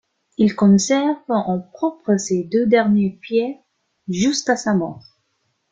Il conserve en propre ces deux derniers fiefs jusqu'à sa mort.